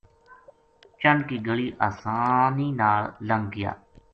چنڈ کی گلی آسانی نال لنگھ گیا